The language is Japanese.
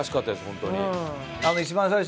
ホントに。